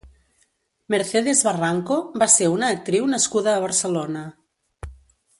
Mercedes Barranco va ser una actriu nascuda a Barcelona.